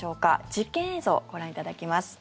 実験映像、ご覧いただきます。